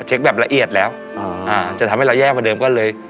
แบบละเอียดแล้วจะทำให้เราแย่กว่าเดิมก็เลย